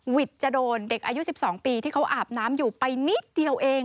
วิทย์จะโดนเด็กอายุ๑๒ปีที่เขาอาบน้ำอยู่ไปนิดเดียวเอง